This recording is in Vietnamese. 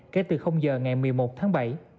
kể từ giờ ngày một mươi một tháng bảy